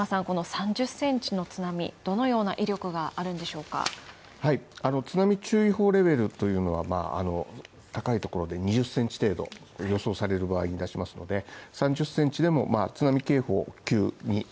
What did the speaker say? この３０センチの津波、どのような威力があるんでしょうかあの津波注意報レベルというのは高いところで２０センチ程度予想される場合にいたしますので、